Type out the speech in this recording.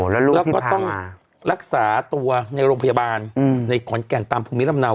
แล้วก็ต้องรักษาตัวในโรงพยาบาลในขอนแก่นตามภูมิลำเนา